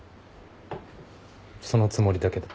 そのつもりだけど。